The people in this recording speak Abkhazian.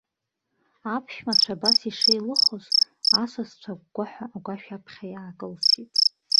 Аԥшәмацәа абас ишеилыхоз асасцәа агәгәаҳәа агәашә аԥхьа иаакылсит.